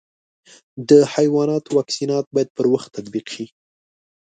د حیواناتو واکسینات باید پر وخت تطبیق شي.